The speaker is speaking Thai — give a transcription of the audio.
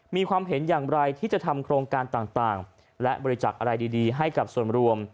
มีความเห็นอย่างไรที่จะทำโครงการต่างและบริจักษ์อะไรดีให้กับส่วนรวม